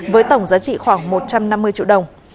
với tổng giá trị khoảng một trăm năm mươi triệu đồng